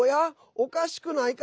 おかしくないか？